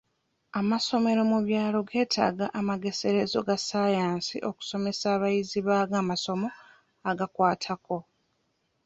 Amasomero mu byalo geetaaga amageserezo ga sayansi okusomesa abayizi baago amasomo ag'okwatako.